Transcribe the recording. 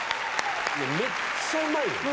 めっちゃうまいよ！